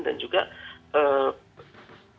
dan juga penyebab yang lainnya